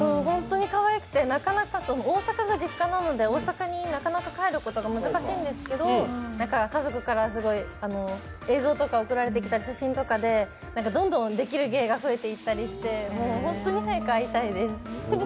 本当にかわいくて、大阪が実家なので大阪になかなか帰ることが難しいんですけど、家族から映像とか送られてきた写真とかで、どんどんできる芸が増えていったりして、本当に早く会いたいです。